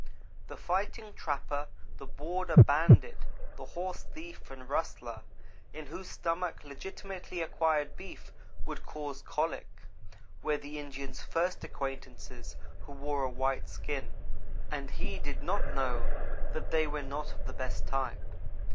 The fighting trapper, the border bandit, the horse thief and rustler, in whose stomach legitimately acquired beef would cause colic were the Indians' first acquaintances who wore a white skin, and he did not know that they were not of the best type.